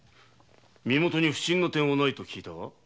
身元に不審な点はないと聞いたが。